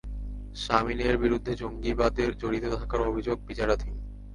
শামিনের বিরুদ্ধে জঙ্গিবাদে জড়িত থাকার অভিযোগ বিচারাধীন।